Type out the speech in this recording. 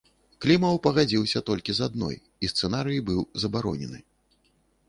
Клімаў пагадзіўся толькі з адной, і сцэнарый быў забаронены.